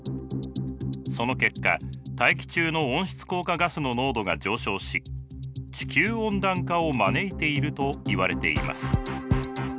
その結果大気中の温室効果ガスの濃度が上昇し地球温暖化を招いているといわれています。